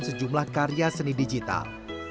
sejumlah karya seni digital